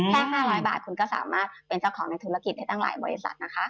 แค่๕๐๐บาทคุณก็สามารถเป็นเจ้าของในธุรกิจได้ตั้งหลายบริษัทนะคะ